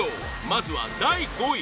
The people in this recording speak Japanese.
まずは第５位